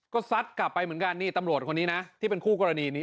ก็ซัดกลับไปเหมือนกันนี่ตำรวจคนนี้นะที่เป็นคู่กรณีนี้